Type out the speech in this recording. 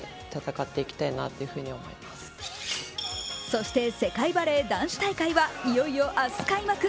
そして世界バレー男子大会はいよいよ明日開幕。